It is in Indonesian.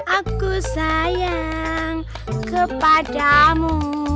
aku sayang kepadamu